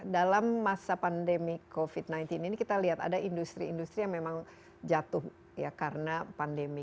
dalam masa pandemi covid sembilan belas ini kita lihat ada industri industri yang memang jatuh ya karena pandemi